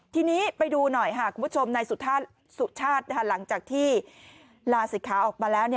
ทีนี้ไปดูหน่อยค่ะคุณผู้ชมนายสุชาติหลังจากที่ลาศิกขาออกมาแล้ว